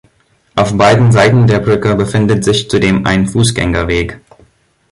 Auf beiden Seiten der Brücke befindet sich zudem ein Fußgängerweg.